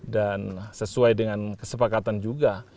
dan sesuai dengan kesepakatan juga